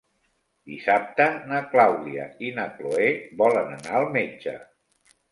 Dissabte na Clàudia i na Cloè volen anar al metge.